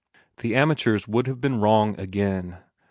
The amateurs would have been wrong again.